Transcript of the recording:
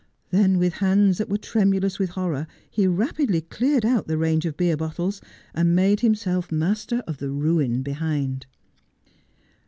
Then, with hands that were tremulous with horror, he rapidly cleared out the range of beer bottles, and made himself master of the ruin behind.